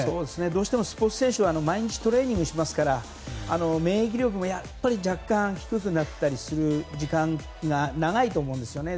どうしてもスポーツ選手は毎日トレーニングしますから免疫力も若干低くなる時間が長いと思うんですよね。